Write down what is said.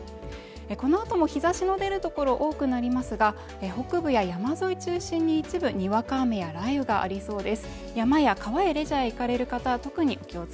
このあとも日差しの出るところ多くなりますが北部や山沿い中心に一部にわか雨や雷雨がありそうです。